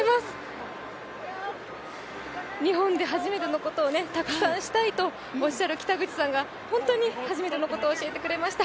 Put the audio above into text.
日本で初めてのことをたくさんしたいとおっしゃる北口さんが本当に初めてのことを教えてくれました。